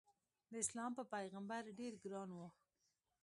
داسلام په پیغمبر ډېر ګران و.